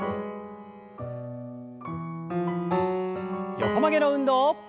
横曲げの運動。